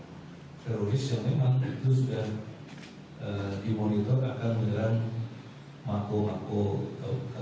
teroris yang memang densus dan dimonitor akan dengan mako mako atau polisi